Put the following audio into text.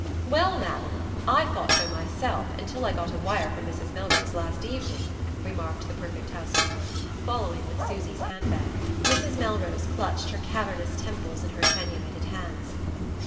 "Well, Madam, I thought so myself till I got a wire from Mrs. Melrose last evening," remarked the perfect house keeper, following with Susy's handbag. Mrs. Melrose clutched her cavernous temples in her attenuated hands.